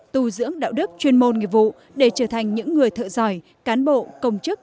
tu dưỡng đạo đức chuyên môn nghệ vụ để trở thành những người thợ giỏi cán bộ công chức